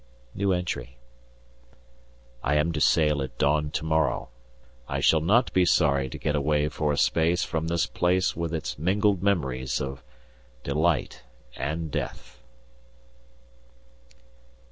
I am to sail at dawn tomorrow. I shall not be sorry to get away for a space from this place with its mingled memories of delight and death.